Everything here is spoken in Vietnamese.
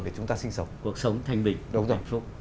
để chúng ta sinh sống cuộc sống thanh bình đúng rồi